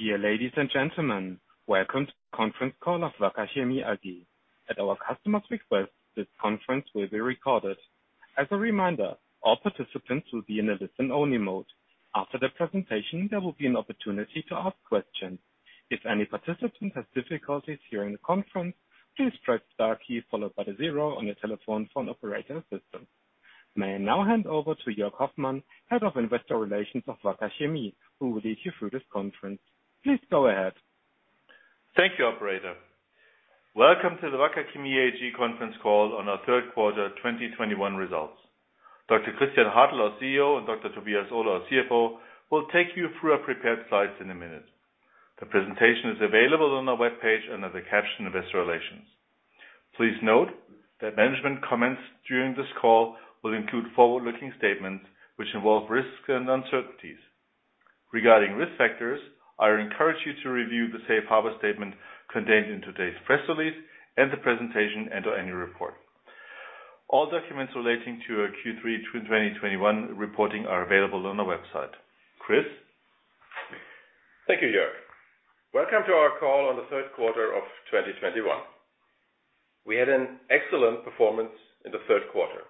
Dear ladies and gentlemen, welcome to the conference call of Wacker Chemie AG. At our customers' request, this conference will be recorded. As a reminder, all participants will be in a listen-only mode. After the presentation, there will be an opportunity to ask questions. If any participant has difficulties hearing the conference, please press star key followed by the zero on your telephone for an operator assistant. May I now hand over to Jörg Hoffmann, Head of Investor Relations of Wacker Chemie, who will lead you through this conference. Please go ahead. Thank you, operator. Welcome to the Wacker Chemie AG conference call on our third quarter 2021 results. Dr. Christian Hartel, our CEO, and Dr. Tobias Ohler, our CFO, will take you through our prepared slides in a minute. The presentation is available on our webpage under the caption Investor Relations. Please note that management comments during this call will include forward-looking statements which involve risks and uncertainties. Regarding risk factors, I encourage you to review the safe harbor statement contained in today's press release and the presentation and our annual report. All documents relating to our Q3 2021 reporting are available on our website. Chris? Thank you, Jörg. Welcome to our call on the third quarter of 2021. We had an excellent performance in the third quarter,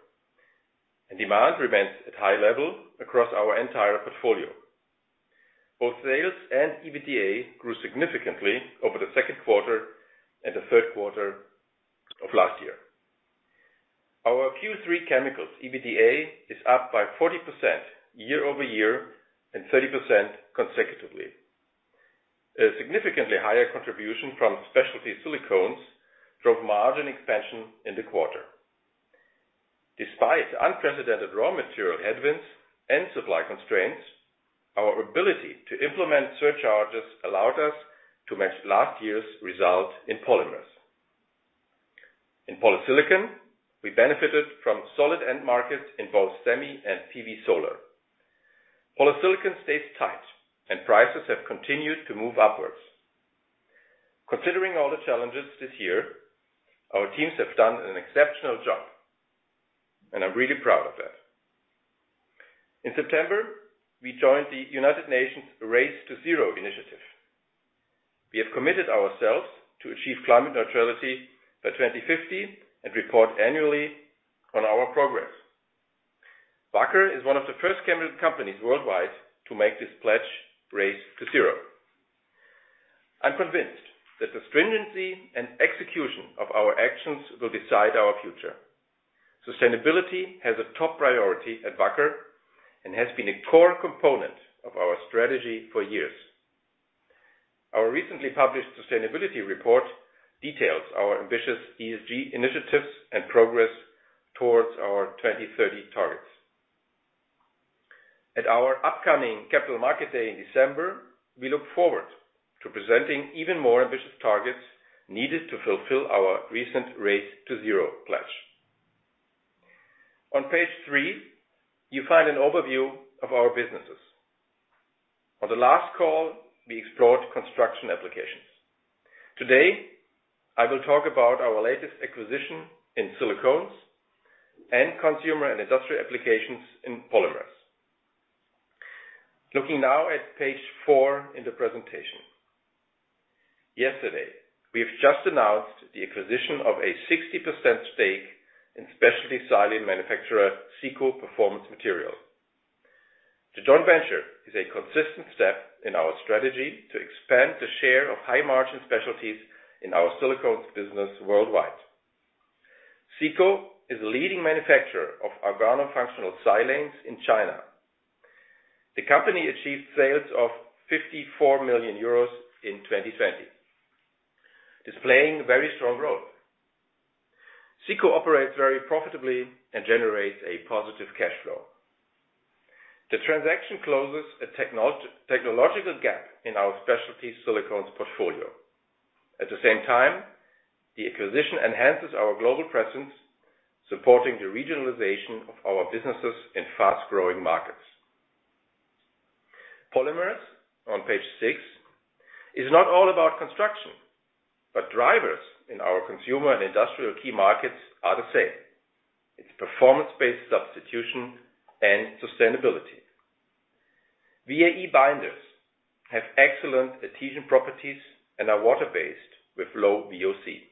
and demand remains at a high level across our entire portfolio. Both sales and EBITDA grew significantly over the second quarter and the third quarter of last year. Our Q3 chemicals EBITDA is up by 40% year-over-year and 30% consecutively. A significantly higher contribution from specialty silicones drove margin expansion in the quarter. Despite unprecedented raw material headwinds and supply constraints, our ability to implement surcharges allowed us to match last year's result in polymers. In polysilicon, we benefited from solid end markets in both semi and PV solar. Polysilicon stays tight, and prices have continued to move upwards. Considering all the challenges this year, our teams have done an exceptional job, and I'm really proud of that. In September, we joined the United Nations' Race to Zero initiative. We have committed ourselves to achieve climate neutrality by 2050 and report annually on our progress. Wacker is one of the first chemical companies worldwide to make this pledge to Race to Zero. I'm convinced that the stringency and execution of our actions will decide our future. Sustainability has a top priority at Wacker and has been a core component of our strategy for years. Our recently published sustainability report details our ambitious ESG initiatives and progress towards our 2030 targets. At our upcoming Capital Markets Day in December, we look forward to presenting even more ambitious targets needed to fulfill our recent Race to Zero pledge. On page 3, you find an overview of our businesses. On the last call, we explored construction applications. Today, I will talk about our latest acquisition in silicones and consumer and industrial applications in Polymers. Looking now at page 4 in the presentation. Yesterday, we have just announced the acquisition of a 60% stake in specialty silane manufacturer, Sico Performance Material. The joint venture is a consistent step in our strategy to expand the share of high-margin specialties in our silicones business worldwide. SICO is a leading manufacturer of organofunctional silanes in China. The company achieved sales of 54 million euros in 2020, displaying very strong growth. SICO operates very profitably and generates a positive cash flow. The transaction closes a technological gap in our specialty silicones portfolio. At the same time, the acquisition enhances our global presence, supporting the regionalization of our businesses in fast-growing markets. Polymers on page 6 is not all about construction, but drivers in our consumer and industrial key markets are the same. It's performance-based substitution and sustainability. VAE binders have excellent adhesion properties and are water-based with low VOC.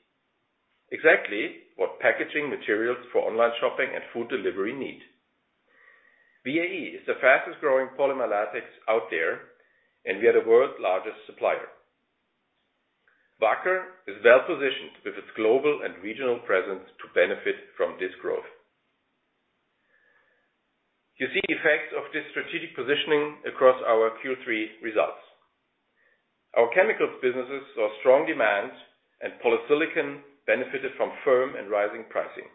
Exactly what packaging materials for online shopping and food delivery need. VAE is the fastest-growing polymer latex out there, and we are the world's largest supplier. Wacker is well-positioned with its global and regional presence to benefit from this growth. You see effects of this strategic positioning across our Q3 results. Our chemicals businesses saw strong demand, and polysilicon benefited from firm and rising pricing.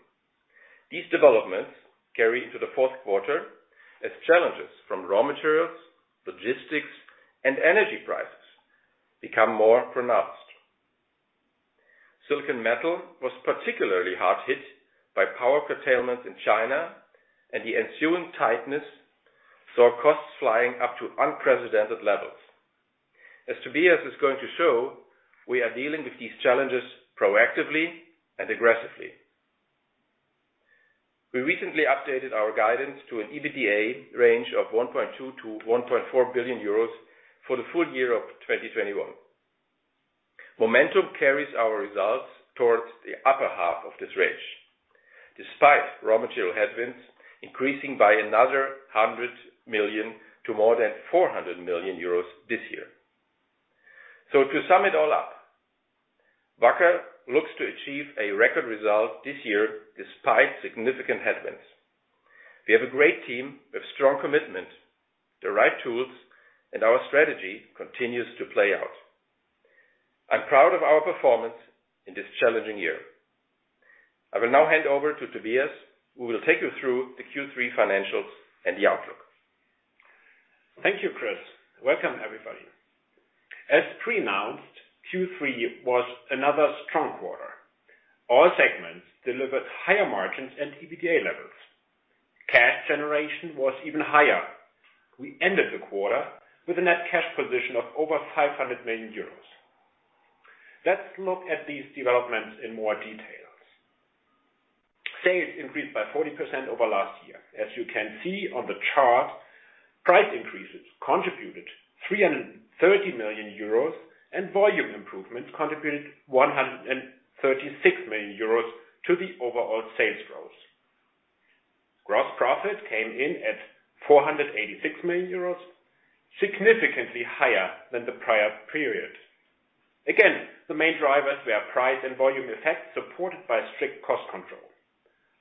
These developments carry into the fourth quarter as challenges from raw materials, logistics, and energy prices become more pronounced. Silicon metal was particularly hard hit by power curtailment in China, and the ensuing tightness saw costs flying up to unprecedented levels. As Tobias is going to show, we are dealing with these challenges proactively and aggressively. We recently updated our guidance to an EBITDA range of 1.2 billion-1.4 billion euros for the full year of 2021. Momentum carries our results towards the upper half of this range, despite raw material headwinds increasing by another 100 million to more than 400 million euros this year. To sum it all up, Wacker looks to achieve a record result this year despite significant headwinds. We have a great team with strong commitment, the right tools, and our strategy continues to play out. I'm proud of our performance in this challenging year. I will now hand over to Tobias, who will take you through the Q3 financials and the outlook. Thank you, Chris. Welcome, everybody. As pre-announced, Q3 was another strong quarter. All segments delivered higher margins and EBITDA levels. Cash generation was even higher. We ended the quarter with a net cash position of over 500 million euros. Let's look at these developments in more detail. Sales increased by 40% over last year. As you can see on the chart, price increases contributed 330 million euros and volume improvements contributed 136 million euros to the overall sales growth. Gross profit came in at 486 million euros, significantly higher than the prior period. Again, the main drivers were price and volume effect, supported by strict cost control.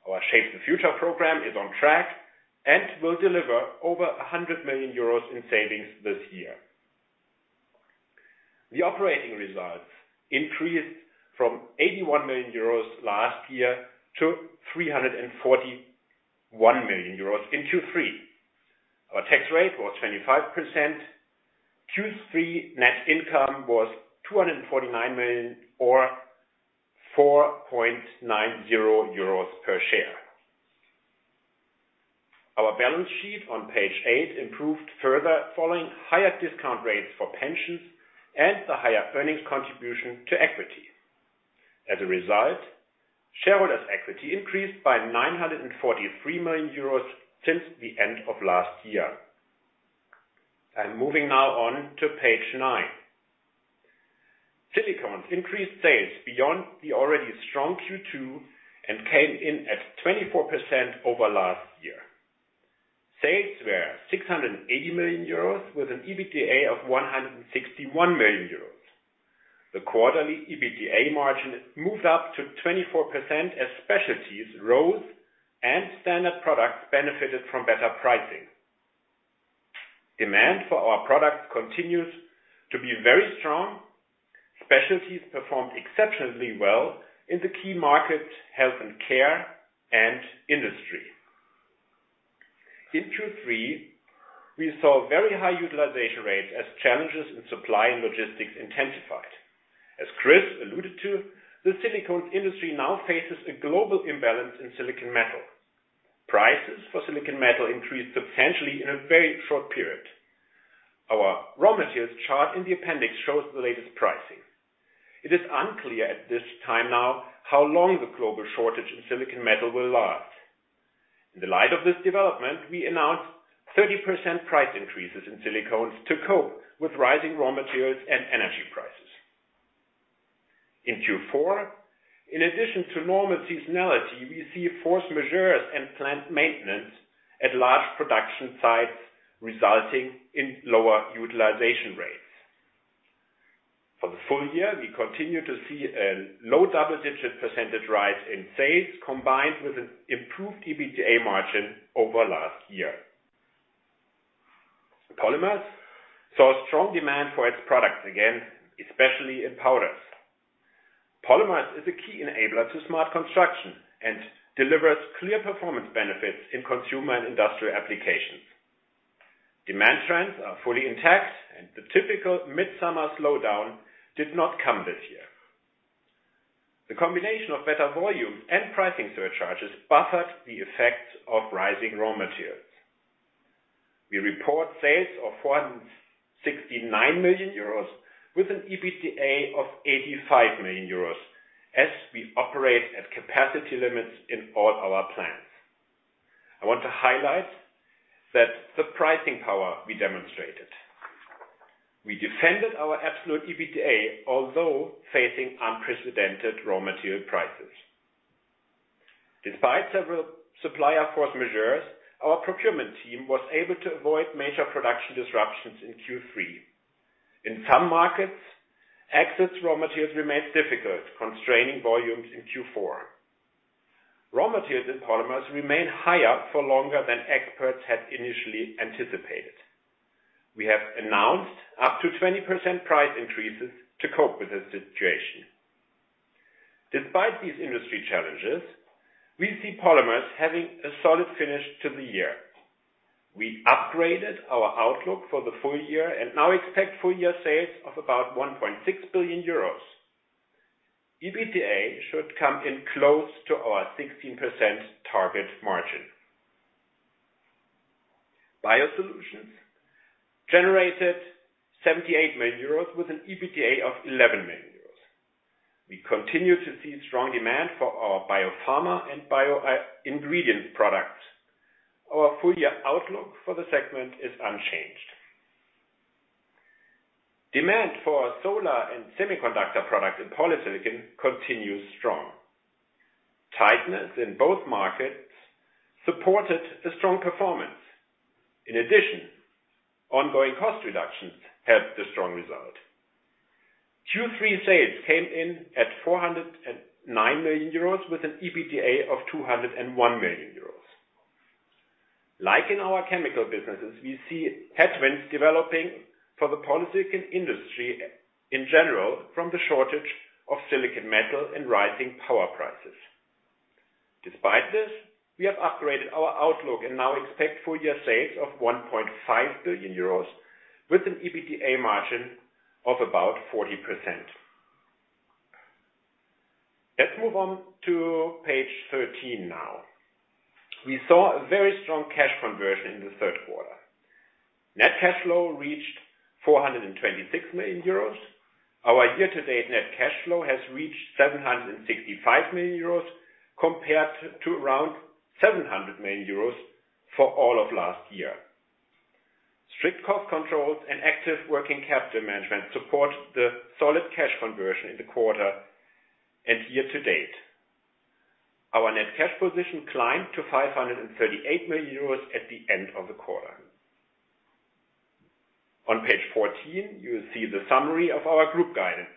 Our Shape the Future program is on track and will deliver over 100 million euros in savings this year. The operating results increased from 81 million euros last year to 341 million euros in Q3. Our tax rate was 25%. Q3 net income was 249 million, or 4.90 euros per share. Our balance sheet on page 8 improved further, following higher discount rates for pensions and the higher earnings contribution to equity. As a result, shareholders' equity increased by 943 million euros since the end of last year. I'm moving now on to page 9. Silicones increased sales beyond the already strong Q2 and came in at 24% over last year. Sales were 680 million euros with an EBITDA of 161 million euros. The quarterly EBITDA margin moved up to 24% as specialties rose and standard products benefited from better pricing. Demand for our products continues to be very strong. Specialties performed exceptionally well in the key markets, health and care, and industry. In Q3, we saw very high utilization rates as challenges in supply and logistics intensified. As Chris alluded to, the silicones industry now faces a global imbalance in silicon metal. Prices for silicon metal increased substantially in a very short period. Our raw materials chart in the appendix shows the latest pricing. It is unclear at this time now how long the global shortage in silicon metal will last. In the light of this development, we announced 30% price increases in silicones to cope with rising raw materials and energy prices. In Q4, in addition to normal seasonality, we see force majeures and plant maintenance at large production sites, resulting in lower utilization rates. For the full year, we continue to see a low double-digit percentage rise in sales, combined with an improved EBITDA margin over last year. Polymers saw strong demand for its products again, especially in powders. Polymers is a key enabler to smart construction and delivers clear performance benefits in consumer and industrial applications. Demand trends are fully intact, and the typical midsummer slowdown did not come this year. The combination of better volume and pricing surcharges buffered the effects of rising raw materials. We report sales of 469 million euros with an EBITDA of 85 million euros as we operate at capacity limits in all our plants. I want to highlight the pricing power we demonstrated. We defended our absolute EBITDA, although facing unprecedented raw material prices. Despite several supplier force majeures, our procurement team was able to avoid major production disruptions in Q3. In some markets, access to raw materials remains difficult, constraining volumes in Q4. Raw materials and polymers remain higher for longer than experts had initially anticipated. We have announced up to 20% price increases to cope with this situation. Despite these industry challenges, we see polymers having a solid finish to the year. We upgraded our outlook for the full year and now expect full year sales of about 1.6 billion euros. EBITDA should come in close to our 16% target margin. Biosolutions generated 78 million euros with an EBITDA of 11 million euros. We continue to see strong demand for our biopharma and bio ingredient products. Our full year outlook for the segment is unchanged. Demand for solar and semiconductor products in polysilicon continues strong. Tightness in both markets supported a strong performance. In addition, ongoing cost reductions helped the strong result. Q3 sales came in at 409 million euros with an EBITDA of 201 million euros. Like in our chemical businesses, we see headwinds developing for the polysilicon industry in general from the shortage of silicon metal and rising power prices. Despite this, we have upgraded our outlook and now expect full year sales of 1.5 billion euros with an EBITDA margin of about 40%. Let's move on to page 13 now. We saw a very strong cash conversion in the third quarter. Net cash flow reached 426 million euros. Our year-to-date net cash flow has reached 765 million euros, compared to around 700 million euros for all of last year. Strict cost controls and active working capital management support the solid cash conversion in the quarter and year-to-date. Our net cash position climbed to 538 million euros at the end of the quarter. On page 14, you will see the summary of our group guidance.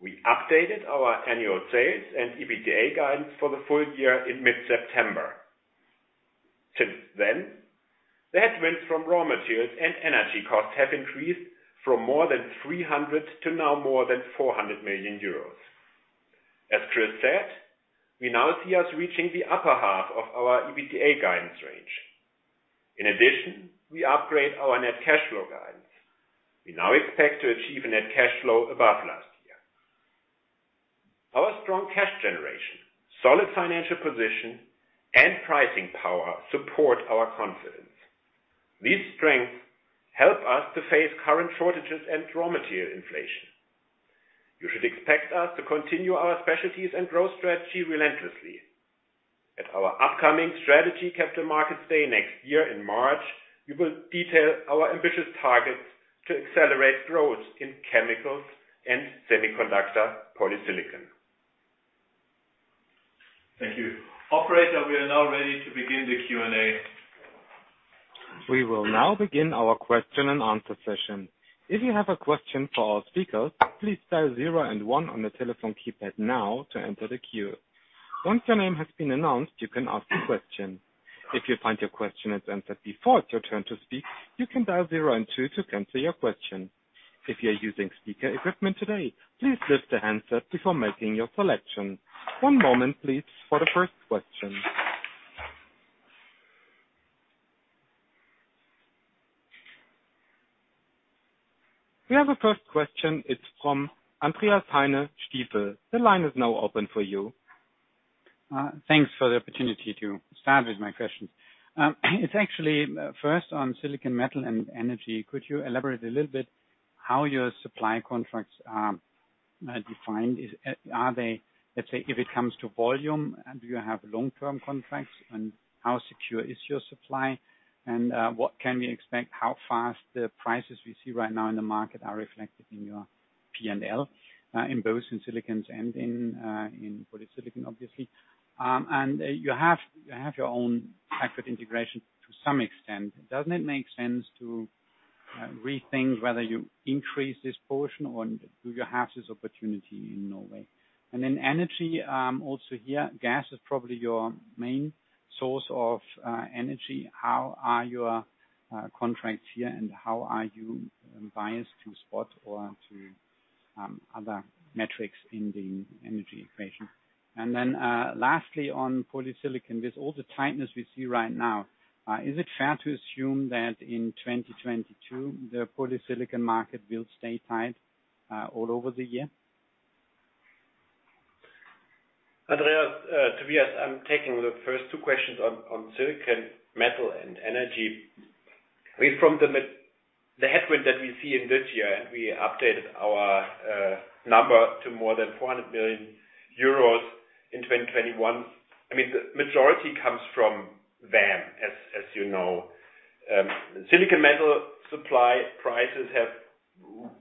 We updated our annual sales and EBITDA guidance for the full year in mid-September. Since then, the headwinds from raw materials and energy costs have increased from more than 300 million to now more than 400 million euros. As Chris said, we now see us reaching the upper half of our EBITDA guidance range. In addition, we upgrade our net cash flow guidance. We now expect to achieve a net cash flow above last year. Our strong cash generation, solid financial position, and pricing power support our confidence. These strengths help us to face current shortages and raw material inflation. You should expect us to continue our specialties and growth strategy relentlessly. At our upcoming Strategy Capital Markets Day next year in March, we will detail our ambitious targets to accelerate growth in chemicals and semiconductor polysilicon. Thank you. Operator, we are now ready to begin the Q&A. We will now begin our question and answer session. If you have a question for our speakers, please dial zero and one on the telephone keypad now to enter the queue. Once your name has been announced, you can ask your question. If you find your question has answered before it's your turn to speak, you can dial zero and two to cancel your question. If you're using speaker equipment today, please lift the handset before making your selection. One moment, please, for the first question. We have a first question. It's from Andreas Heine, Stifel. The line is now open for you. Thanks for the opportunity to start with my questions. It's actually first on silicon metal and energy. Could you elaborate a little bit how your supply contracts are defined? Let's say if it comes to volume, do you have long-term contracts, and how secure is your supply? What can we expect, how fast the prices we see right now in the market are reflected in your P&L, in both in silicones and in polysilicon, obviously. You have your own backward integration to some extent. Doesn't it make sense to rethink whether you increase this portion, or do you have this opportunity in Norway? Energy, also here, gas is probably your main source of energy. How are your contracts here, and how are you biased to spot or to other metrics in the energy equation? Lastly, on polysilicon, with all the tightness we see right now, is it fair to assume that in 2022, the polysilicon market will stay tight all over the year? Andreas, Tobias, I'm taking the first two questions on silicon metal and energy. I mean, the headwind that we see in this year, and we updated our number to more than 400 million euros in 2021. I mean, the majority comes from VAM, as you know. Silicon metal supply prices have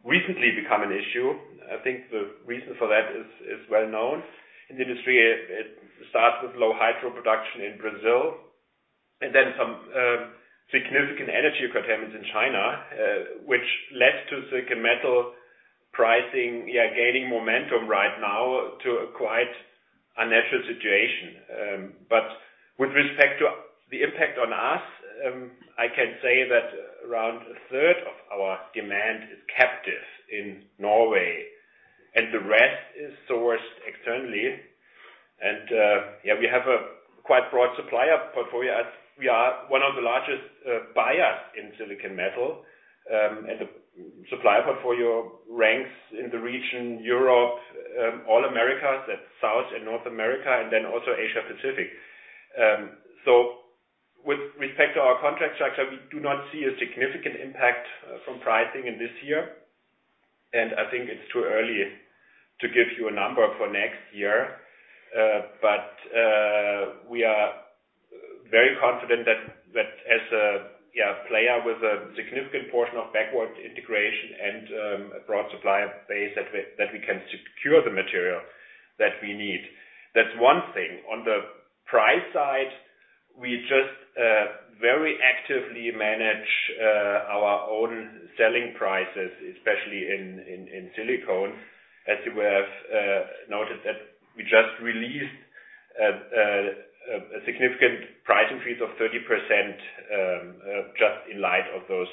recently become an issue. I think the reason for that is well known in the industry. It starts with low hydro production in Brazil and then some significant energy curtailments in China, which led to silicon metal pricing gaining momentum right now to a quite unnatural situation. But with respect to the impact on us, I can say that around a third of our demand is captive in Norway, and the rest is sourced externally. We have a quite broad supplier portfolio, as we are one of the largest buyers in silicon metal. The supplier portfolio ranks in the region Europe, all Americas, that's South and North America, and then also Asia Pacific. With respect to our contract structure, we do not see a significant impact from pricing in this year. I think it's too early to give you a number for next year. We are very confident that as a player with a significant portion of backward integration and a broad supplier base, that we can secure the material that we need. That's one thing. On the price side, we just very actively manage our own selling prices, especially in silicone. As you will have noted that we just released a significant price increase of 30% just in light of those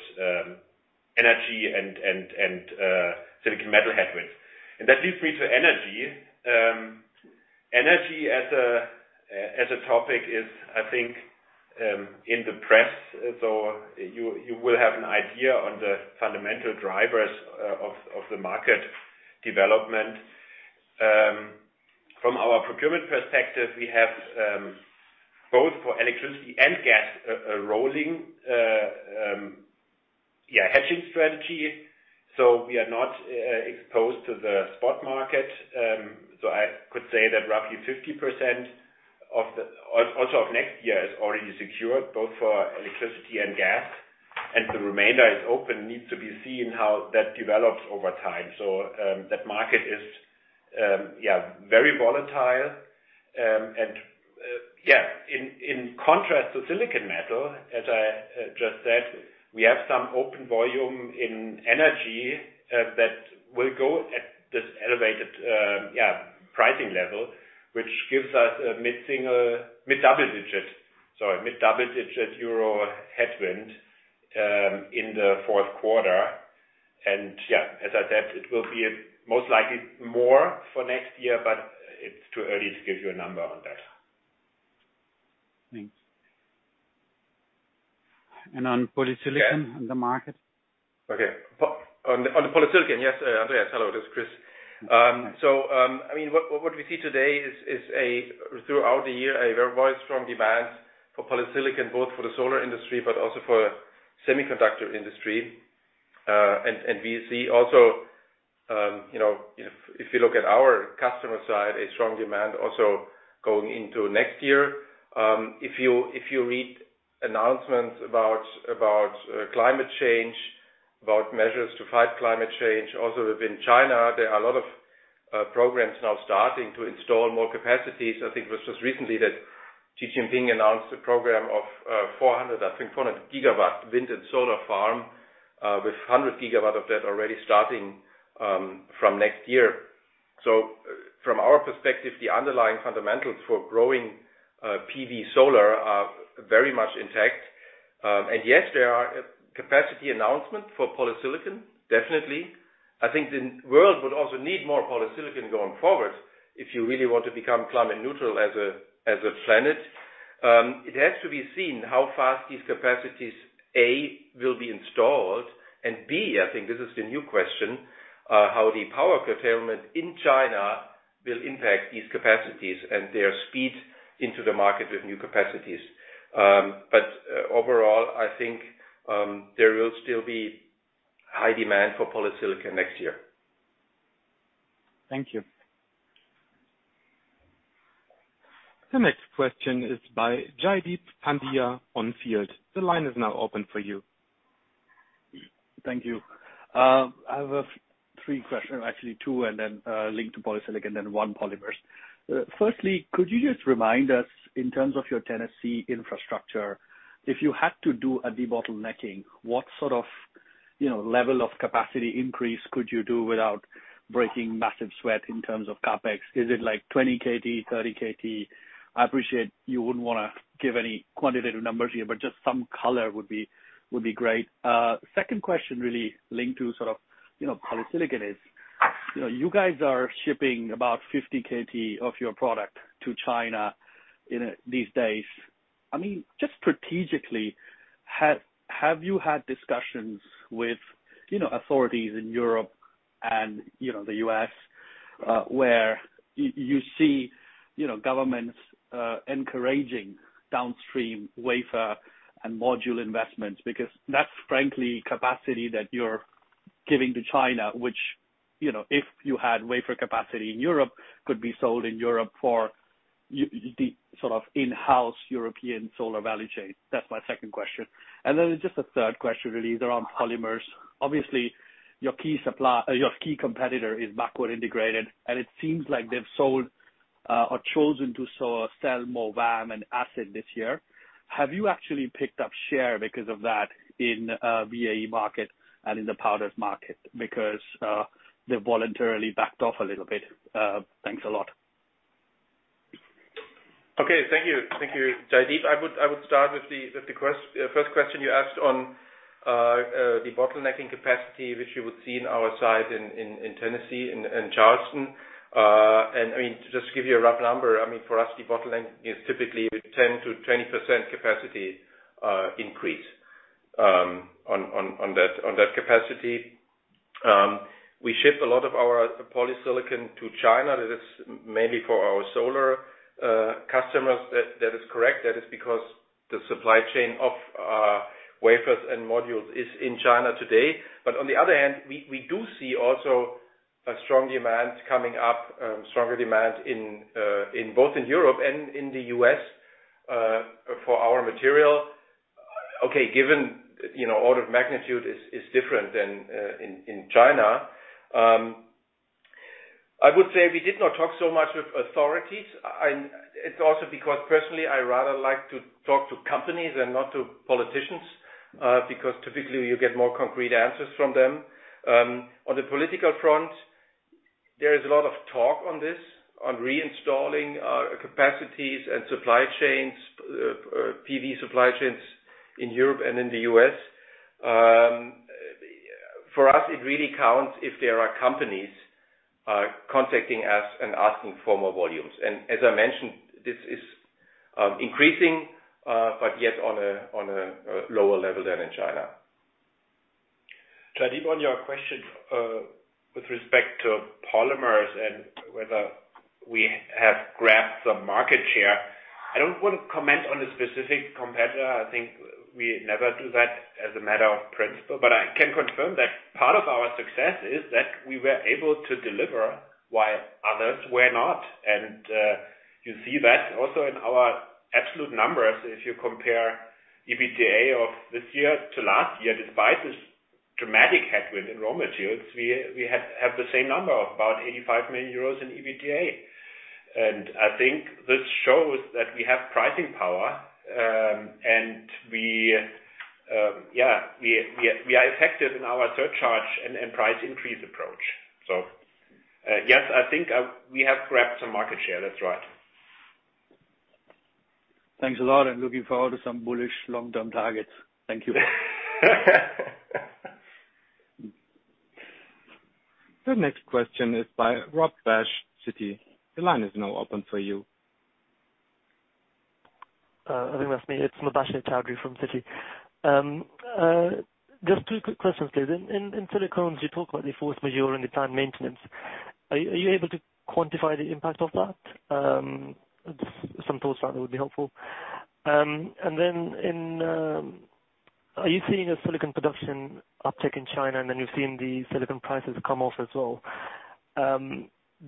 energy and silicon metal headwinds. That leads me to energy. Energy as a topic is, I think, in the press. You will have an idea on the fundamental drivers of the market development. From our procurement perspective, we have both for electricity and gas a rolling hedging strategy. We are not exposed to the spot market. I could say that roughly 50% also of next year is already secured both for electricity and gas, and the remainder is open, needs to be seen how that develops over time. That market is very volatile. In contrast to silicon metal, as I just said, we have some open volume in energy that will go at this elevated pricing level, which gives us a mid-double-digit EUR headwind in the fourth quarter. As I said, it will be most likely more for next year, but it's too early to give you a number on that. Thanks. On polysilicon. Yeah. the market. Okay. On the polysilicon. Yes, Andreas. Hello, this is Chris. So, I mean, what we see today is throughout the year a very strong demand for polysilicon, both for the solar industry but also for semiconductor industry. And we see also if you look at our customer side, a strong demand also going into next year. If you read announcements about climate change, about measures to fight climate change, also within China, there are a lot of programs now starting to install more capacities. I think it was just recently that Xi Jinping announced a program of 400, I think 400 GW wind and solar farm with 100 GW of that already starting from next year. From our perspective, the underlying fundamentals for growing PV solar are very much intact. Yes, there are capacity announcement for polysilicon, definitely. I think the world would also need more polysilicon going forward, if you really want to become climate neutral as a planet. It has to be seen how fast these capacities, A, will be installed, and B, I think this is the new question, how the power curtailment in China will impact these capacities and their speed into the market with new capacities. Overall, I think there will still be high demand for polysilicon next year. Thank you. The next question is by Jaideep Pandya, On Field. The line is now open for you. Thank you. I have three questions, actually two, and then, linked to polysilicon, and one polymers. Firstly, could you just remind us in terms of your Tennessee infrastructure, if you had to do a debottlenecking, what sort of, you know, level of capacity increase could you do without breaking massive sweat in terms of CapEx? Is it like 20 KT, 30 KT? I appreciate you wouldn't wanna give any quantitative numbers here, but just some color would be great. Second question really linked to sort of, you know, polysilicon is, you know, you guys are shipping about 50 KT of your product to China these days. I mean, just strategically, have you had discussions with, you know, authorities in Europe and, you know, the U.S., where you see, you know, governments, encouraging downstream wafer and module investments? Because that's frankly capacity that you're giving to China, which, you know, if you had wafer capacity in Europe, could be sold in Europe for the sort of in-house European solar value chain. That's my second question. Just a third question really is around polymers. Obviously, your key competitor is backward integrated, and it seems like they've sold or chosen to sell more VAM and acid this year. Have you actually picked up share because of that in VAE market and in the powders market? Because they've voluntarily backed off a little bit. Thanks a lot. Okay. Thank you. Thank you, Jaideep. I would start with the first question you asked on the bottlenecking capacity, which you would see in our site in Tennessee, in Charleston. I mean, to just give you a rough number, I mean, for us, debottlenecking is typically 10%-20% capacity increase on that capacity. We ship a lot of our polysilicon to China. That is mainly for our solar customers. That is correct. That is because the supply chain of wafers and modules is in China today. But on the other hand, we do see also a strong demand coming up, stronger demand in both Europe and the U.S. for our material. Okay. Given order of magnitude is different than in China. I would say we did not talk so much with authorities. It's also because personally, I rather like to talk to companies and not to politicians because typically you get more concrete answers from them. On the political front, there is a lot of talk on this, on reinstalling capacities and supply chains, PV supply chains in Europe and in the U.S. For us, it really counts if there are companies contacting us and asking for more volumes. As I mentioned, this is increasing but yet on a lower level than in China. Jaideep, on your question with respect to polymers and whether we have grabbed some market share. I don't want to comment on a specific competitor. I think we never do that as a matter of principle. I can confirm that part of our success is that we were able to deliver while others were not. You see that also in our absolute numbers. If you compare EBITDA of this year to last year, despite this dramatic headwind in raw materials, we have the same number of about 85 million euros in EBITDA. I think this shows that we have pricing power, and we are effective in our surcharge and price increase approach. Yes, I think we have grabbed some market share. That's right. Thanks a lot. I'm looking forward to some bullish long-term targets. Thank you. The next question is by Mubasher Chaudhry, Citi. The line is now open for you. I think that's me. It's Mubasher Chaudhry from Citi. Just two quick questions, please. In silicones, you talk about the force majeure and the planned maintenance. Are you able to quantify the impact of that? Some thoughts that would be helpful. Are you seeing a silicon production uptick in China, and then you're seeing the silicon prices come off as well?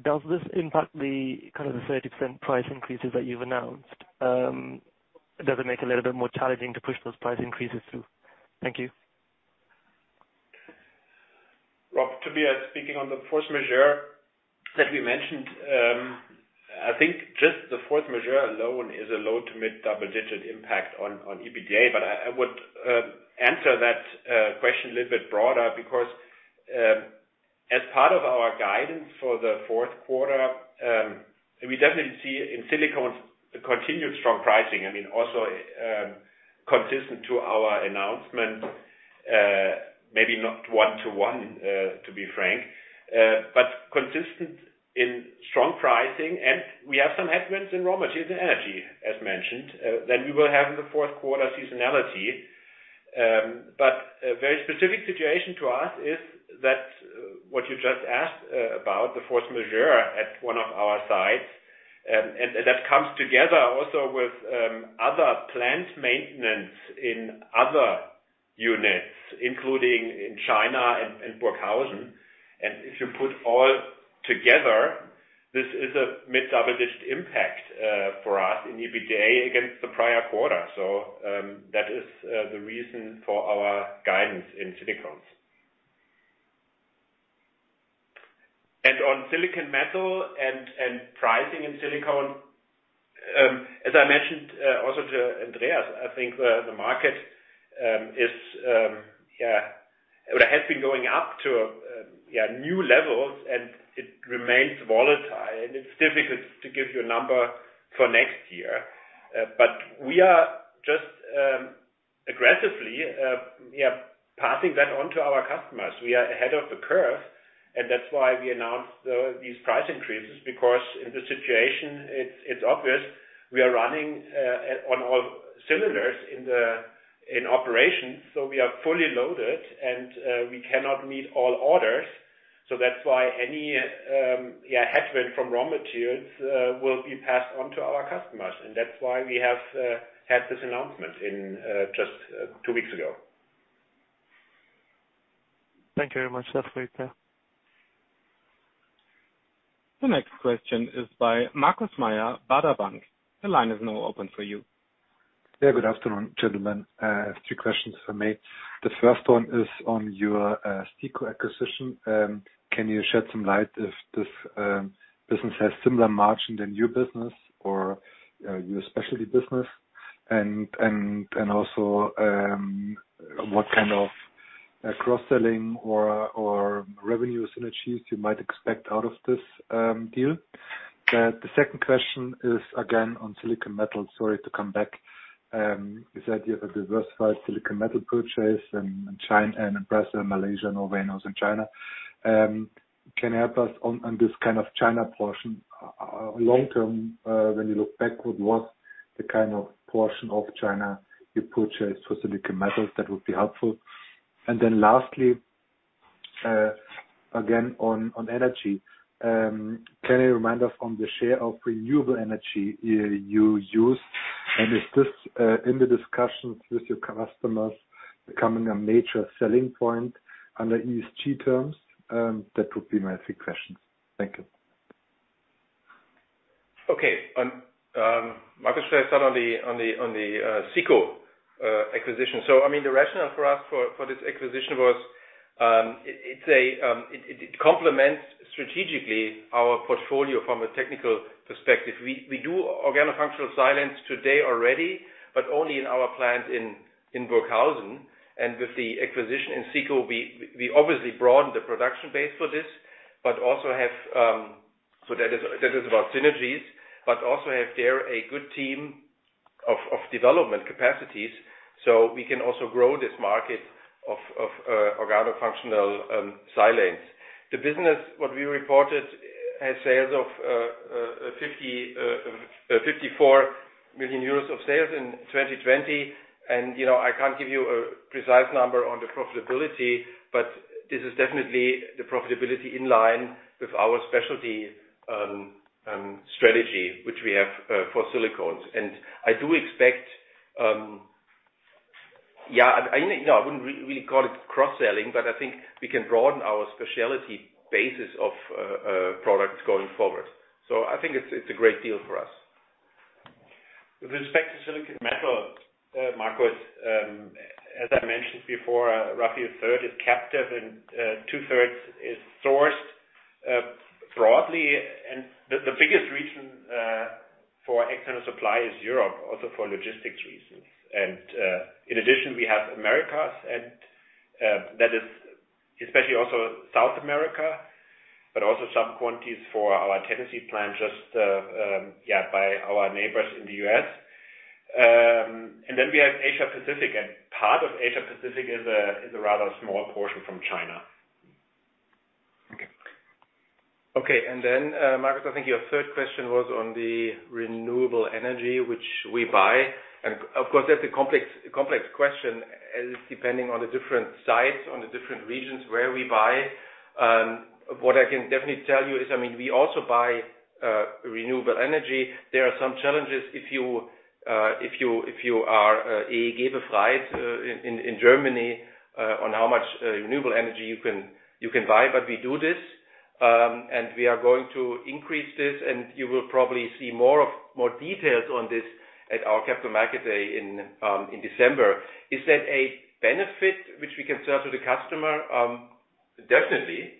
Does this impact the kind of the 30% price increases that you've announced? Does it make it a little bit more challenging to push those price increases through? Thank you. Rob, Tobias speaking. On the force majeure that we mentioned, I think just the force majeure alone is a low to mid-double-digit impact on EBITDA. I would answer that question a little bit broader, because as part of our guidance for the fourth quarter, we definitely see in silicones a continued strong pricing. I mean, also consistent to our announcement, maybe not one-to-one, to be frank, but consistent in strong pricing. We have some headwinds in raw materials and energy, as mentioned. We will have in the fourth quarter seasonality. A very specific situation to us is that what you just asked about, the force majeure at one of our sites. That comes together also with other plant maintenance in other units, including in China and Burghausen. If you put all together, this is a mid double-digit impact for us in EBITDA against the prior quarter. That is the reason for our guidance in silicones. On silicon metal and pricing in silicones, as I mentioned also to Andreas, I think the market is going up to new levels and it remains volatile and it's difficult to give you a number for next year. We are just aggressively passing that on to our customers. We are ahead of the curve, and that's why we announced these price increases, because in this situation it's obvious we are running on all cylinders in operations. We are fully loaded and we cannot meet all orders. That's why any headwind from raw materials will be passed on to our customers. That's why we have had this announcement in just two weeks ago. Thank you very much. That's clear. The next question is by Markus Mayer, Baader Bank. The line is now open for you. Yeah. Good afternoon, gentlemen. Three questions for me. The first one is on your SICO acquisition. Can you shed some light if this business has similar margin than your business or your specialty business? And also, what kind of cross-selling or revenue synergies you might expect out of this deal? The second question is again on silicon metal. Sorry to come back. You said you have a diversified silicon metal purchase in China and in Brazil, Malaysia, Nanjing in China. Can you help us on this kind of China portion? Long term, when you look backward, what kind of portion of China you purchase for silicon metals? That would be helpful. And then lastly, again on energy. Can you remind us on the share of renewable energy you use? Is this in the discussions with your customers becoming a major selling point under ESG terms? That would be my three questions. Thank you. Okay. Markus, should I start on the SICO acquisition? I mean, the rationale for us for this acquisition was, it complements strategically our portfolio from a technical perspective. We do organofunctional silanes today already, but only in our plant in Burghausen. With the acquisition in SICO, we obviously broaden the production base for this, but also have. That is about synergies, but also have there a good team of development capacities, so we can also grow this market of organofunctional silanes. The business, what we reported, has sales of 54 million euros of sales in 2020. You know, I can't give you a precise number on the profitability, but this is definitely the profitability in line with our specialty strategy which we have for silicones. I do expect, yeah, you know, I wouldn't really call it cross-selling, but I think we can broaden our specialty basis of products going forward. I think it's a great deal for us. With respect to silicon metal, Markus, as I mentioned before, roughly a third is captive and two-thirds is sourced broadly. The biggest reason for external supply is Europe, also for logistics reasons. In addition, we have Americas and that is especially also South America, but also some quantities for our Tennessee plant just by our neighbors in the U.S. We have Asia Pacific, and part of Asia Pacific is a rather small portion from China. Okay. Okay. Markus, I think your third question was on the renewable energy which we buy. Of course, that's a complex question, as it depends on the different sites, on the different regions where we buy. What I can definitely tell you is, I mean, we also buy renewable energy. There are some challenges if you are a German firm in Germany on how much renewable energy you can buy. We do this, and we are going to increase this, and you will probably see more details on this at our Capital Markets Day in December. Is that a benefit which we can sell to the customer? Definitely.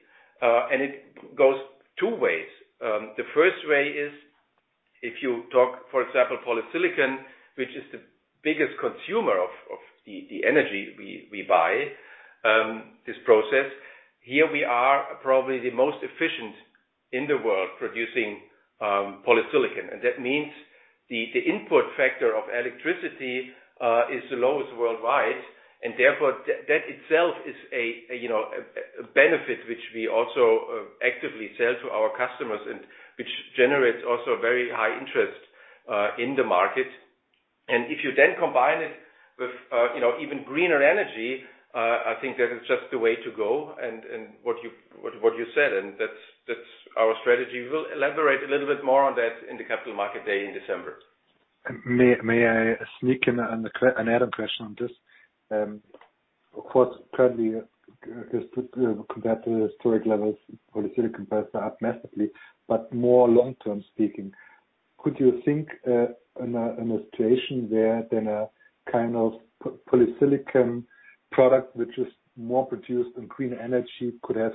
It goes two ways. The first way is if you talk, for example, polysilicon, which is the biggest consumer of the energy we buy for this process. Here we are probably the most efficient in the world producing polysilicon. That means the input factor of electricity is the lowest worldwide, and therefore, that itself is, you know, a benefit which we also actively sell to our customers and which generates also very high interest in the market. If you then combine it with, you know, even greener energy, I think that is just the way to go and what you said, and that's our strategy. We'll elaborate a little bit more on that in the Capital Markets Day in December. May I sneak in an additional question on this? Of course, currently, compared to the historic levels, polysilicon prices are up massively, but more long-term speaking, could you think on a situation where then a kind of polysilicon product which is more produced in green energy could have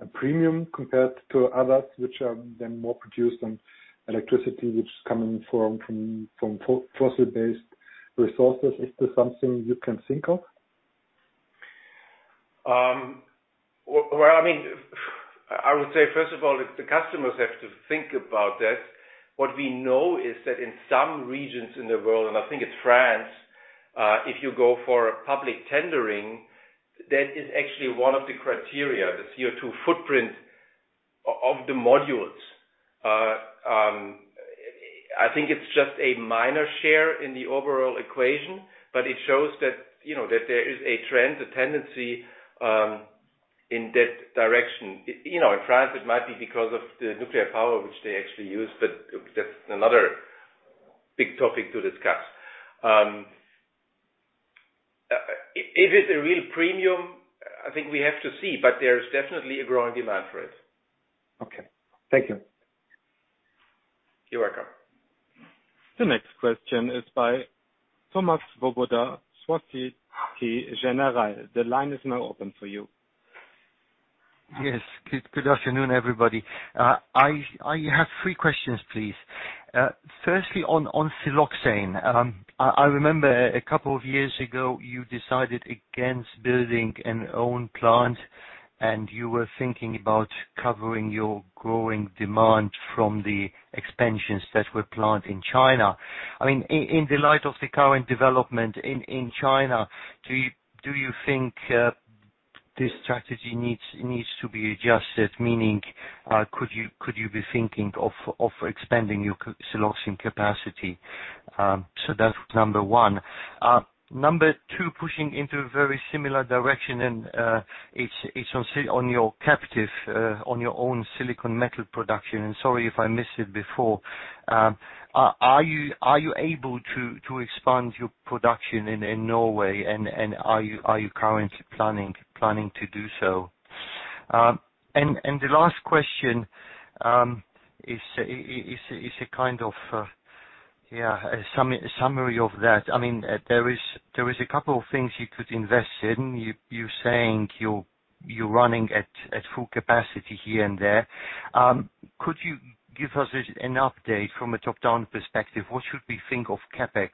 a premium compared to others which are then more produced on electricity, which is coming from fossil-based resources? Is this something you can think of? Well, I mean, I would say, first of all, the customers have to think about that. What we know is that in some regions in the world, and I think it's France, if you go for public tendering, that is actually one of the criteria, the CO2 footprint of the modules. I think it's just a minor share in the overall equation, but it shows that, you know, that there is a trend, a tendency, in that direction. You know, in France it might be because of the nuclear power which they actually use, but that's another big topic to discuss. If it's a real premium, I think we have to see, but there is definitely a growing demand for it. Okay. Thank you. You're welcome. The next question is by Thomas Swoboda, Société Générale. The line is now open for you. Yes. Good afternoon, everybody. I have three questions, please. Firstly, on siloxane. I remember a couple of years ago you decided against building an own plant, and you were thinking about covering your growing demand from the expansions that were planned in China. I mean, in the light of the current development in China, do you think this strategy needs to be adjusted? Meaning, could you be thinking of expanding your captive siloxane capacity? So that's number one. Number two, pushing into a very similar direction, it's on your captive, on your own silicon metal production. Sorry if I missed it before. Are you able to expand your production in Norway and are you currently planning to do so? The last question is a kind of, yeah, a summary of that. I mean, there is a couple of things you could invest in. You're saying you're running at full capacity here and there. Could you give us an update from a top-down perspective? What should we think of CapEx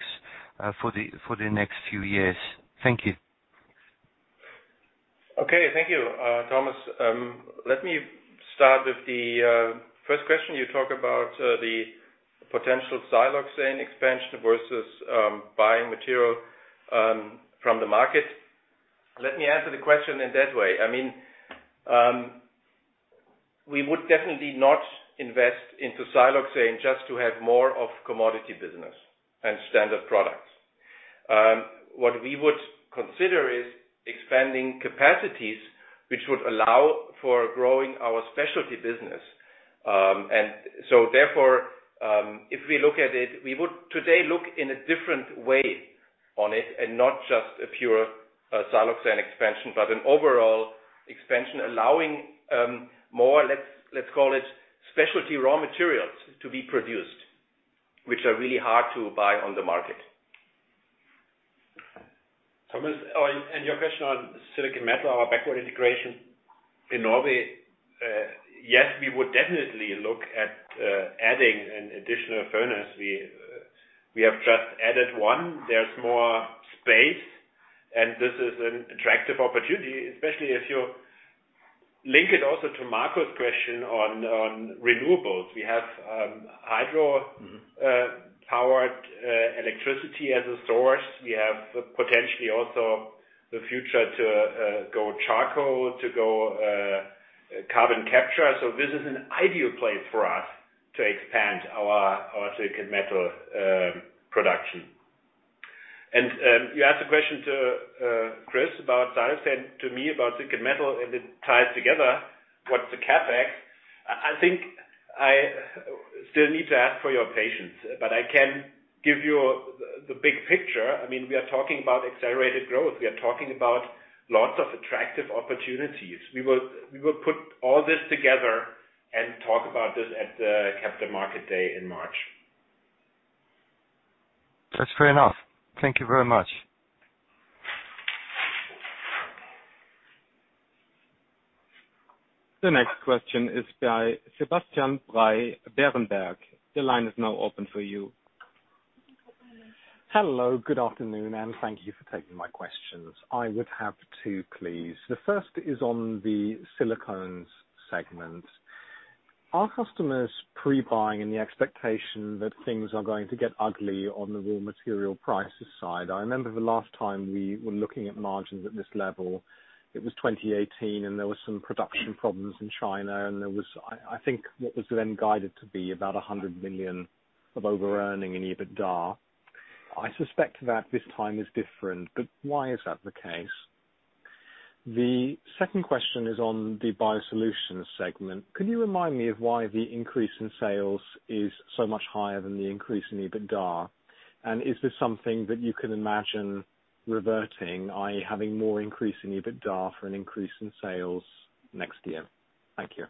for the next few years? Thank you. Okay. Thank you, Thomas. Let me start with the first question. You talk about the potential siloxane expansion versus buying material from the market. Let me answer the question in that way. I mean, we would definitely not invest into siloxane just to have more of commodity business and standard products. What we would consider is expanding capacities, which would allow for growing our specialty business. If we look at it, we would today look in a different way on it and not just a pure siloxane expansion, but an overall expansion allowing more, let's call it specialty raw materials to be produced, which are really hard to buy on the market. Thomas, and your question on silicon metal, our backward integration in Norway. Yes, we would definitely look at adding an additional furnace. We have just added one. There's more space, and this is an attractive opportunity, especially as you link it also to Markus's question on renewables. We have hydro- Mm-hmm. Powered by electricity as a source. We have the potential also in the future to go charcoal, to go carbon capture. This is an ideal place for us to expand our silicon metal production. You asked a question to Chris about siloxane, to me about silicon metal, and it ties together what's the CapEx. I think I still need to ask for your patience, but I can give you the big picture. I mean, we are talking about accelerated growth. We are talking about lots of attractive opportunities. We will put all this together and talk about this at the Capital Markets Day in March. That's fair enough. Thank you very much. The next question is by Sebastian Bray, Berenberg. The line is now open for you. Hello, good afternoon, and thank you for taking my questions. I would have two, please. The first is on the Silicones segment. Are customers pre-buying in the expectation that things are going to get ugly on the raw material prices side? I remember the last time we were looking at margins at this level, it was 2018 and there was some production problems in China, and there was, I think, what was then guided to be about 100 million of overearning in EBITDA. I suspect that this time is different, but why is that the case? The second question is on the Biosolutions segment. Can you remind me of why the increase in sales is so much higher than the increase in EBITDA? And is this something that you can imagine reverting, i.e., having more increase in EBITDA for an increase in sales next year? Thank you.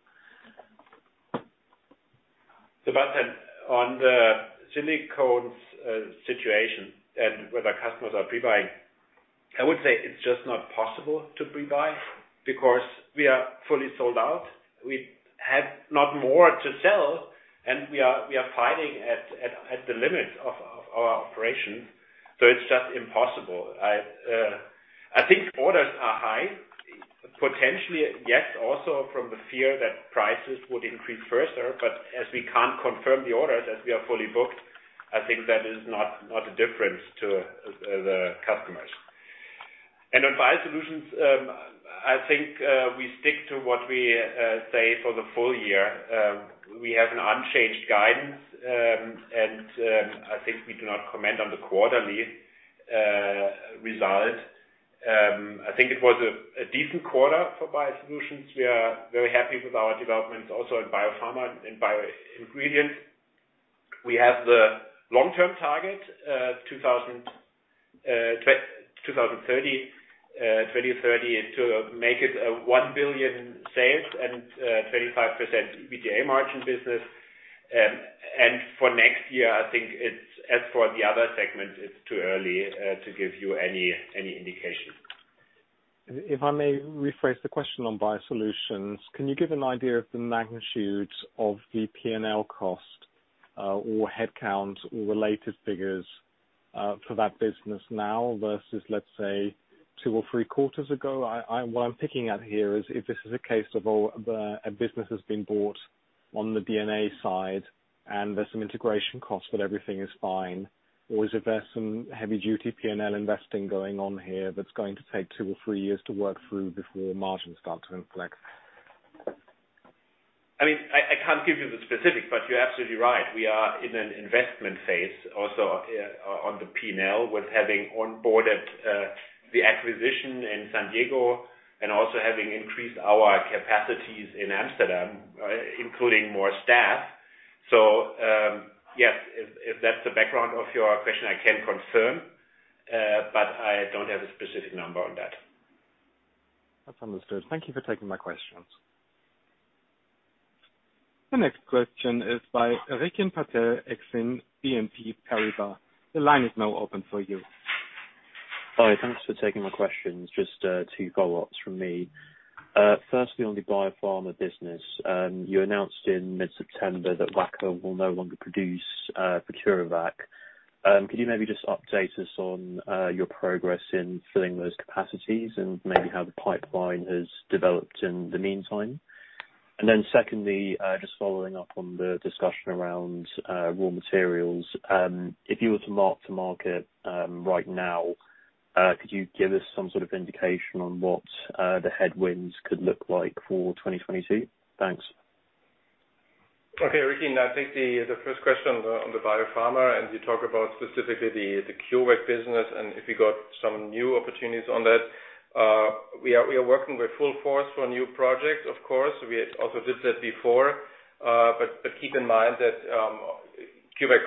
Sebastian, on the silicones situation and whether customers are pre-buying, I would say it's just not possible to pre-buy because we are fully sold out. We have no more to sell, and we are fighting at the limits of our operation, so it's just impossible. I think orders are high. Potentially, yes, also from the fear that prices would increase further, but as we can't confirm the orders as we are fully booked, I think that is not a difference to the customers. On Biosolutions, I think we stick to what we say for the full year. We have an unchanged guidance, and I think we do not comment on the quarterly result. I think it was a decent quarter for Biosolutions. We are very happy with our developments also in biopharma and bioingredients. We have the long-term target 2030 to make it 1 billion in sales and 25% EBITDA margin business. For next year, I think it's, as for the other segments, it's too early to give you any indication. If I may rephrase the question on Biosolutions, can you give an idea of the magnitude of the P&L cost, or headcount or related figures, for that business now versus, let's say, two or three quarters ago? I what I'm picking at here is if this is a case of, oh, a business has been bought on the DNA side and there's some integration costs, but everything is fine. Or is it there's some heavy-duty P&L investing going on here that's going to take two or three years to work through before margins start to inflect? I mean, I can't give you the specifics, but you're absolutely right. We are in an investment phase also on the P&L with having onboarded the acquisition in San Diego and also having increased our capacities in Amsterdam, including more staff. Yes, if that's the background of your question, I can confirm, but I don't have a specific number on that. That's understood. Thank you for taking my questions. The next question is by Rikin Patel, Exane BNP Paribas. The line is now open for you. Hi. Thanks for taking my questions. Just two follow-ups from me. Firstly, on the biopharma business, you announced in mid-September that Wacker will no longer produce for CureVac. Could you maybe just update us on your progress in filling those capacities and maybe how the pipeline has developed in the meantime? Secondly, just following up on the discussion around raw materials, if you were to mark to market right now, could you give us some sort of indication on what the headwinds could look like for 2022? Thanks. Okay, Rikin. I think the first question on the biopharma, and you talk about specifically the CureVac business and if we got some new opportunities on that. We are working with full force for new projects, of course. We also did that before. Keep in mind that CureVac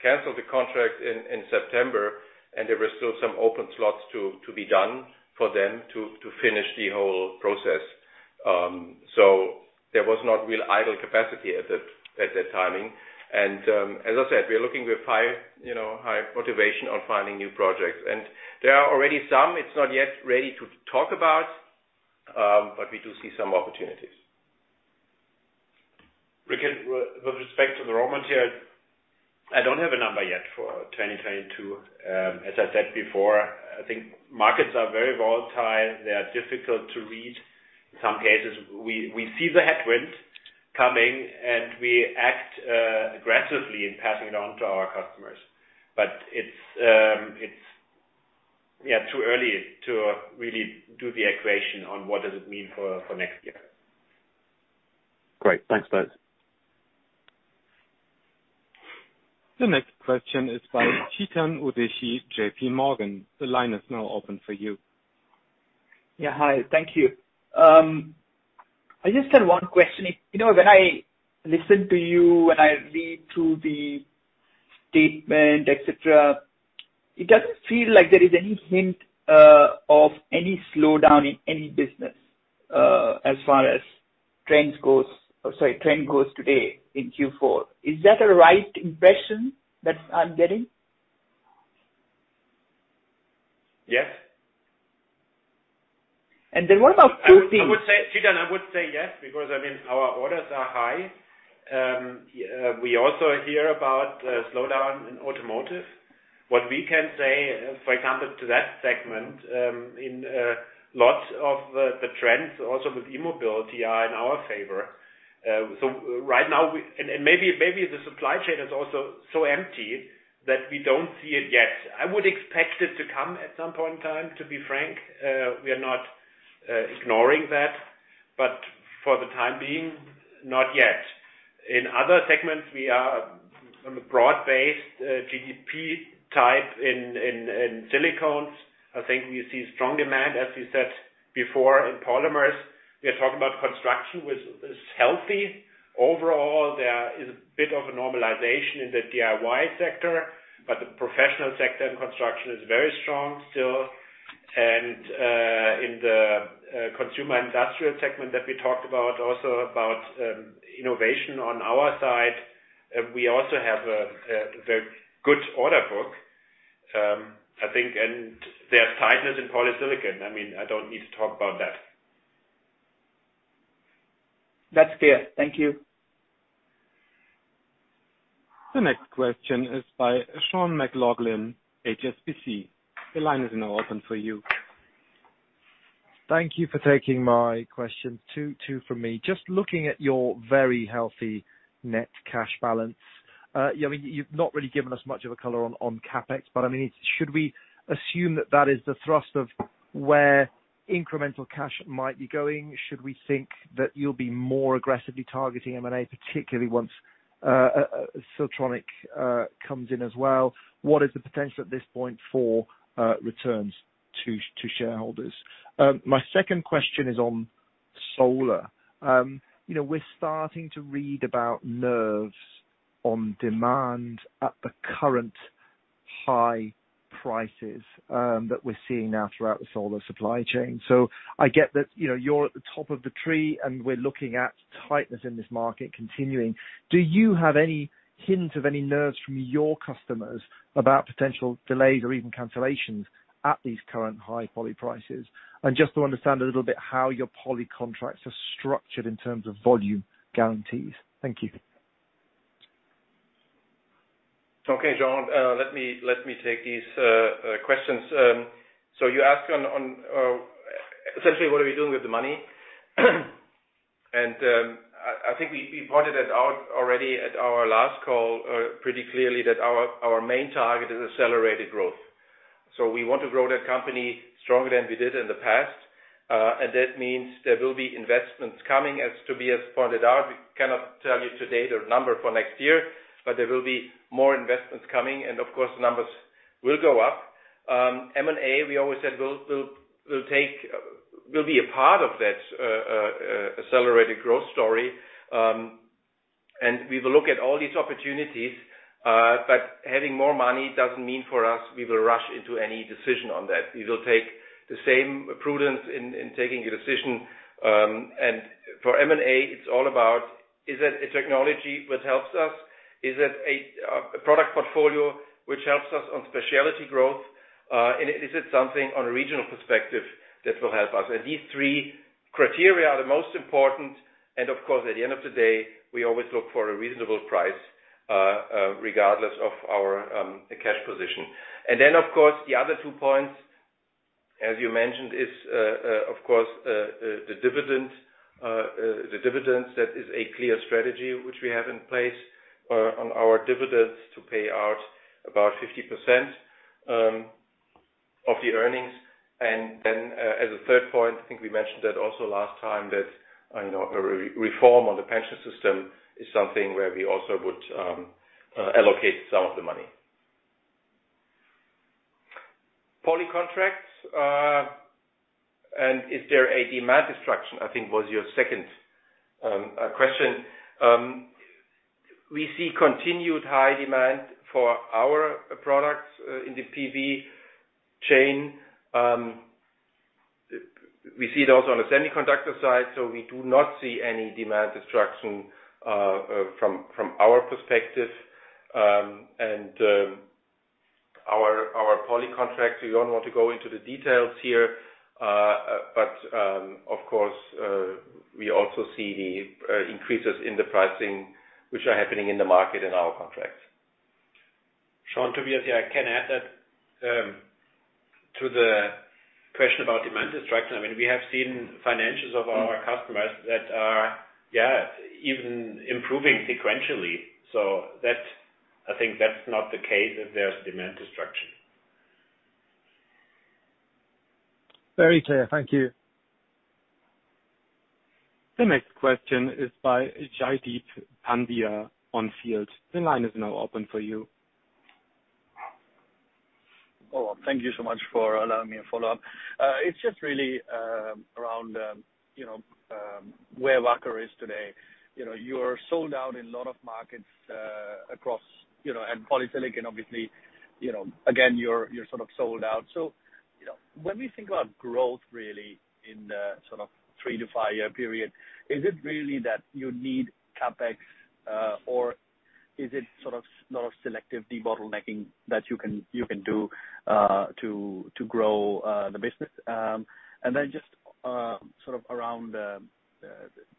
canceled the contract in September, and there were still some open slots to be done for them to finish the whole process. There was not real idle capacity at that timing. As I said, we're looking with high, you know, motivation on finding new projects. There are already some. It's not yet ready to talk about, but we do see some opportunities. With respect to the raw material, I don't have a number yet for 2022. As I said before, I think markets are very volatile. They are difficult to read. In some cases we see the headwind coming, and we act aggressively in passing it on to our customers. It's too early to really do the equation on what does it mean for next year. Great. Thanks, guys. The next question is by Chetan Udeshi, JPMorgan. The line is now open for you. Yeah. Hi, thank you. I just had one question. You know, when I listen to you, when I read through the statement, et cetera, it doesn't feel like there is any hint of any slowdown in any business as far as trend goes today in Q4. Is that a right impression that I'm getting? Yes. What about? Chetan, I would say yes, because, I mean, our orders are high. We also hear about a slowdown in automotive. What we can say, for example, to that segment, in lots of the trends also with e-mobility are in our favor. So right now maybe the supply chain is also so empty that we don't see it yet. I would expect it to come at some point in time, to be frank. We are not ignoring that, but for the time being, not yet. In other segments, we are on the broad-based GDP type in silicones. I think we see strong demand, as we said before, in polymers. We are talking about construction, which is healthy. Overall, there is a bit of a normalization in the DIY sector, but the professional sector in construction is very strong still. In the consumer & industrial segment that we talked about, also about innovation on our side, we also have a very good order book. I think there is tightness in polysilicon. I mean, I don't need to talk about that. That's clear. Thank you. The next question is by Sean McLoughlin, HSBC. The line is now open for you. Thank you for taking my question. Two from me. Just looking at your very healthy net cash balance, I mean, you've not really given us much of a color on CapEx, but, I mean, should we assume that that is the thrust of where incremental cash might be going? Should we think that you'll be more aggressively targeting M&A, particularly once Siltronic comes in as well? What is the potential at this point for returns to shareholders? My second question is on solar. You know, we're starting to read about curbs on demand at the current high prices that we're seeing now throughout the solar supply chain. I get that, you know, you're at the top of the tree, and we're looking at tightness in this market continuing. Do you have any hint of any nerves from your customers about potential delays or even cancellations at these current high poly prices? Just to understand a little bit how your poly contracts are structured in terms of volume guarantees. Thank you. Okay, Sean. Let me take these questions. You asked on essentially what are we doing with the money? I think we pointed it out already at our last call pretty clearly that our main target is accelerated growth. We want to grow that company stronger than we did in the past. That means there will be investments coming. As Tobias pointed out, we cannot tell you today the number for next year, but there will be more investments coming, and of course, the numbers will go up. M&A, we always said we'll take. We'll be a part of that accelerated growth story. We will look at all these opportunities, but having more money doesn't mean for us we will rush into any decision on that. We will take the same prudence in taking a decision. For M&A, it's all about is it a technology which helps us? Is it a product portfolio which helps us on specialty growth? Is it something on a regional perspective that will help us? These three criteria are the most important. Of course, at the end of the day, we always look for a reasonable price, regardless of our cash position. Of course, the other two points, as you mentioned, is of course, the dividend. The dividends, that is a clear strategy which we have in place on our dividends to pay out about 50% of the earnings. As a third point, I think we mentioned that also last time that, you know, a reform on the pension system is something where we also would allocate some of the money. Polysilicon contracts and is there a demand destruction? I think that was your second question. We see continued high demand for our products in the PV chain. We see it also on the semiconductor side. We do not see any demand destruction from our perspective. Our polysilicon contracts, we don't want to go into the details here. Of course, we also see the increases in the pricing which are happening in the market in our contracts. Sean, Tobias here. I can add that to the question about demand destruction. I mean, we have seen financials of our customers that are, yeah, even improving sequentially. That, I think, that's not the case that there's demand destruction. Very clear. Thank you. The next question is by Jaideep Pandya, On Field. The line is now open for you. Oh, thank you so much for allowing me to follow up. It's just really around, you know, where Wacker is today. You know, you are sold out in a lot of markets across, you know, and polysilicon, obviously, you know, again, you're sort of sold out. You know, when we think about growth really in the sort of 3- to 5-year period, is it really that you need CapEx or is it sort of lot of selective debottlenecking that you can do to grow the business? And then just sort of around,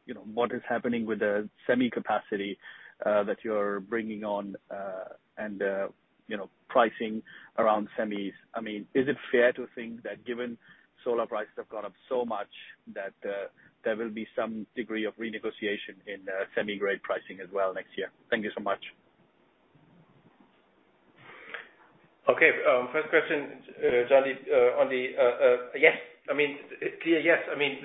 you know, what is happening with the semi capacity that you're bringing on and pricing around semis. I mean, is it fair to think that given solar prices have gone up so much that there will be some degree of renegotiation in semi-grade pricing as well next year? Thank you so much. Okay. First question, Jaideep, yes. I mean, yes. I mean,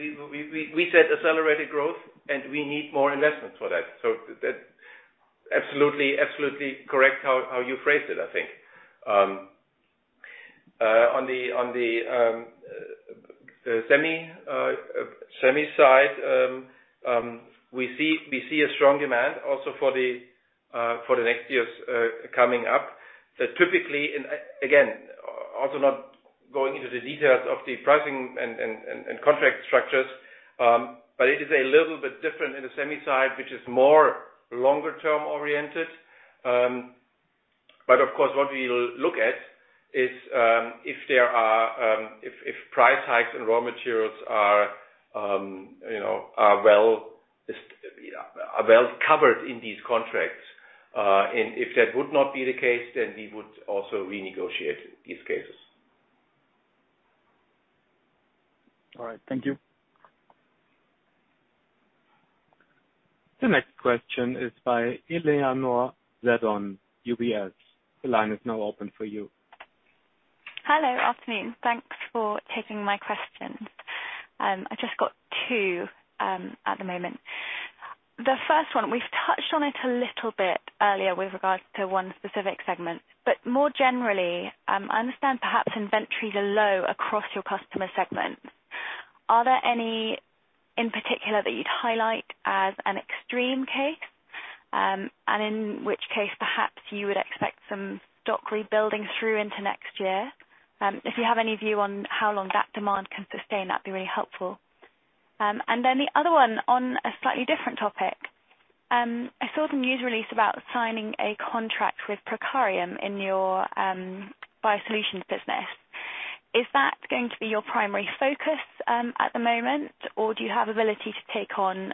we set accelerated growth and we need more investments for that. That's absolutely correct how you phrased it, I think. On the semi side, we see a strong demand also for the next years coming up. Typically, and again, also not going into the details of the pricing and contract structures, but it is a little bit different in the semi side, which is more longer-term oriented. Of course, what we look at is if there are price hikes and raw materials are, you know, are well covered in these contracts. If that would not be the case, then we would also renegotiate these cases. All right. Thank you. The next question is by Eleanor Seddon, UBS. The line is now open for you. Hello. Afternoon. Thanks for taking my questions. I've just got two at the moment. The first one, we've touched on it a little bit earlier with regards to one specific segment. More generally, I understand perhaps inventories are low across your customer segments. Are there any in particular that you'd highlight as an extreme case, and in which case perhaps you would expect some stock rebuilding through into next year? If you have any view on how long that demand can sustain, that'd be really helpful. And then the other one on a slightly different topic. I saw the news release about signing a contract with Prokarium in your Biosolutions business. Is that going to be your primary focus at the moment, or do you have ability to take on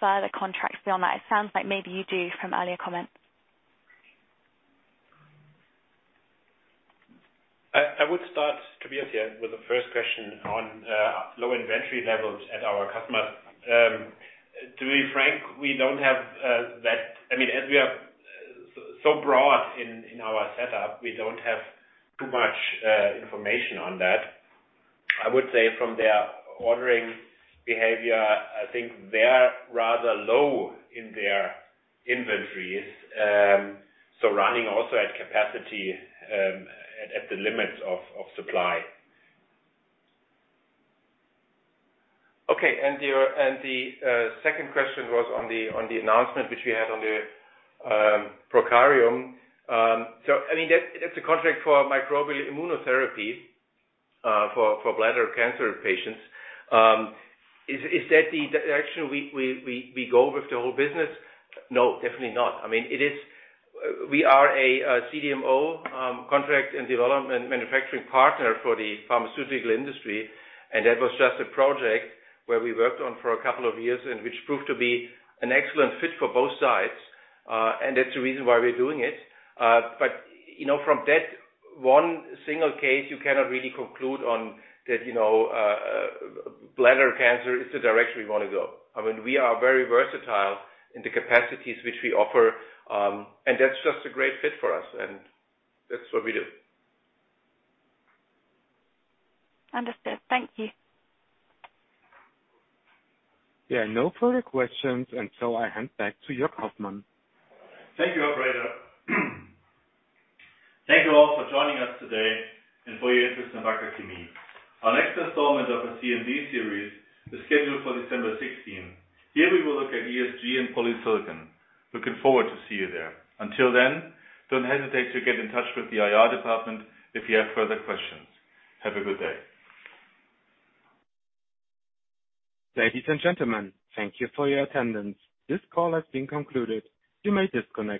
further contracts beyond that? It sounds like maybe you do from earlier comments. I would start, Tobias here, with the first question on low inventory levels at our customers. To be frank, we don't have that. I mean, as we are so broad in our setup, we don't have too much information on that. I would say from their ordering behavior, I think they are rather low in their inventories. So running also at capacity at the limits of supply. Okay. The second question was on the announcement which we had on the Prokarium. So I mean, that's a contract for microbial immunotherapy for bladder cancer patients. Is that the direction we go with the whole business? No, definitely not. I mean, We are a CDMO, contract and development manufacturing partner for the pharmaceutical industry, and that was just a project where we worked on for a couple of years and which proved to be an excellent fit for both sides. That's the reason why we're doing it. You know, from that one single case, you cannot really conclude on that, you know, bladder cancer is the direction we wanna go. I mean, we are very versatile in the capacities which we offer, and that's just a great fit for us, and that's what we do. Understood. Thank you. There are no further questions, and so I hand back to Jörg Hoffmann. Thank you, operator. Thank you all for joining us today and for your interest in Wacker Chemie. Our next installment of our CMD series is scheduled for December sixteenth. Here we will look at ESG and polysilicon. Looking forward to see you there. Until then, don't hesitate to get in touch with the IR department if you have further questions. Have a good day. Ladies and gentlemen, thank you for your attendance. This call has been concluded. You may disconnect.